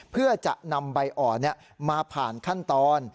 เพื่อจะนำใบอ่อนมาผ่านขั้นตอน